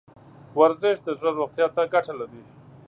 ورزش د زړه روغتیا ته ګټه لري.